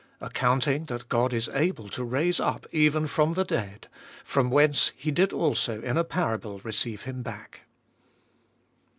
Accounting that God is able to raise up, even from the dead ; from whence he did also in a parable receive him back.